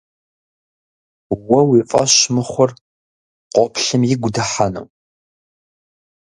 Уэ уи фӀэщ мыхъур къоплъым игу дыхьэну?